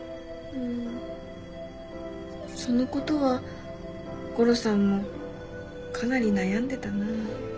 うんその事はゴロさんもかなり悩んでたなあ。